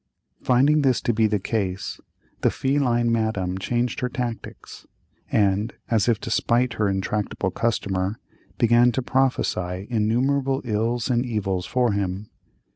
Finding this to be the case, the feline Madame changed her tactics, and, as if to spite her intractable customer, began to prophesy innumerable ills and evils for him.